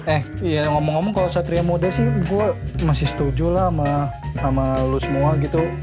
eh iya ngomong ngomong kalo satria muda sih gua masih setuju lah sama lu semua gitu